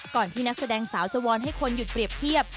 ที่นักแสดงสาวจะวอนให้คนหยุดเปรียบเทียบ